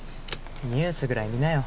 ニュースぐらい見なよ。